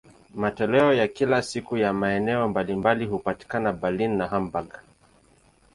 Matoleo ya kila siku ya maeneo mbalimbali hupatikana Berlin na Hamburg.